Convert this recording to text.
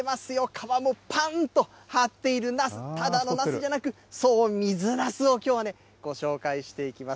皮もぱんっと張っているなす、ただのなすじゃなく、そう、水なすをきょうはご紹介していきます。